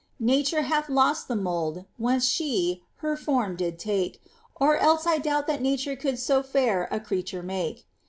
<* Nature hath loat the mould Whonce she her form did take, Or che. 1 doubt tliat nature could So fair a creature make.'